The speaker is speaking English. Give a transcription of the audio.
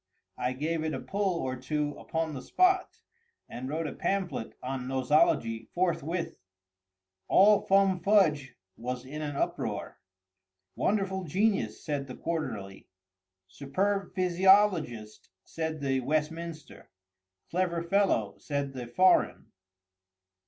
I gave it a pull or two upon the spot, and wrote a pamphlet on Nosology forthwith. All Fum Fudge was in an uproar. "Wonderful genius!" said the Quarterly. "Superb physiologist!" said the Westminster. "Clever fellow!" said the Foreign.